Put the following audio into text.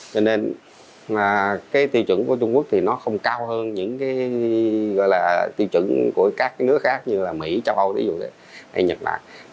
cho nên tiêu chuẩn của trung quốc thì nó không cao hơn những tiêu chuẩn của các nước khác như mỹ châu âu hay nhật bản